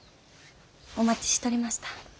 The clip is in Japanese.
お待ちしとりました。